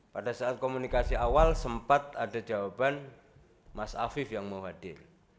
pada saat komunikasi awal sempat ada jawaban mas afif yang mau hadir